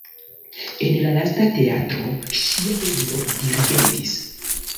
En la lasta teatro ŝia edzo dirigentis.